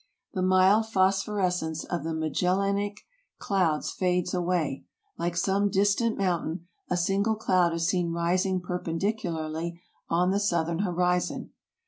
The mild phosphorescence of the Magellenic clouds fades away. Like some distant moun tain, a single cloud is seen rising perpendicularly on the southern horizon.